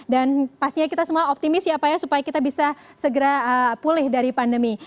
pastinya kita semua optimis ya pak ya supaya kita bisa segera pulih dari pandemi